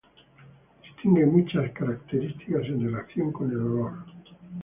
Distingue muchas ca´racterísticas en relación con el olor.